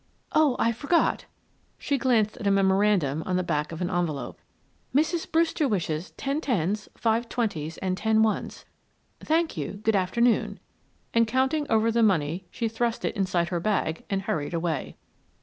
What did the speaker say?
"Oh, I forgot." She glanced at a memorandum on the back of an envelope. "Mrs. Brewster wishes ten tens, five twenties, and ten ones. Thank you, good afternoon," and counting over the money she thrust it inside her bag and hurried away.